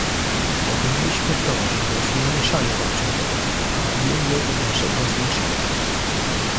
Powinniśmy dążyć do zmniejszania obciążenia, a nie jego dalszego zwiększania